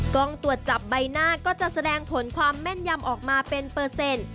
กล้องตรวจจับใบหน้าก็จะแสดงผลความแม่นยำออกมาเป็นเปอร์เซ็นต์